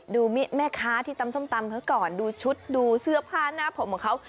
ดูแม่ค้าที่ตำส้มตำเขาก่อนดูชุดดูเสื้อผ้าหน้าผมของเขา